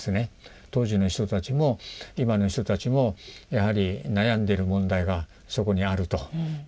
当時の人たちも今の人たちもやはり悩んでる問題がそこにあると。